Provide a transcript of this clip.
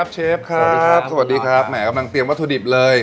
ใช่ครับ